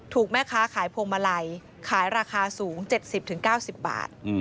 แม่ค้าขายพวงมาลัยขายราคาสูง๗๐๙๐บาท